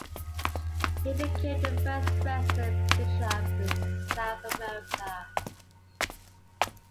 He became the first resident bishop in South America.